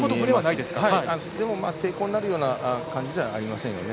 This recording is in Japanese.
抵抗になるような感じではありませんよね。